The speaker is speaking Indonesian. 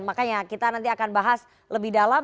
makanya kita nanti akan bahas lebih dalam